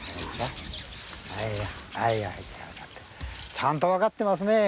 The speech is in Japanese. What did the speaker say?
ちゃんと分かってますね。